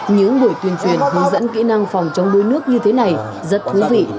những buổi tuyên truyền hướng dẫn kỹ năng phòng chống đuối nước như thế này rất thú vị